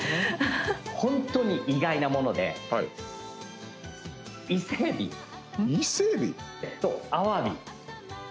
本当に意外なもので伊勢えび？と、アワビ。